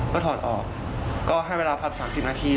ก็ถอดออกก็ให้เวลาพัก๓๐นาที